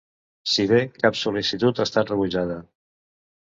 Si bé cap sol·licitud ha estat rebutjada.